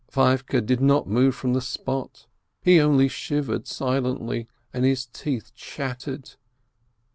Feivke did not move from the spot, he only shivered silently, and his teeth chattered.